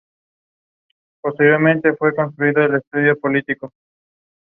He lost part of his right leg in the accident below his knee.